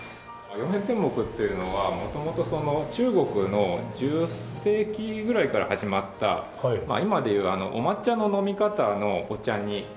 「曜変天目」っていうのは元々中国の１０世紀ぐらいから始まった今で言うお抹茶の飲み方のお茶に合わせたお茶碗で。